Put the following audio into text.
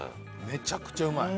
めちゃくちゃうまい。